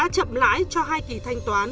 tổng lãi cho hai kỳ thanh toán